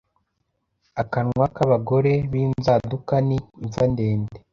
akanwa k’abagore b’inzaduka ni imva ndende,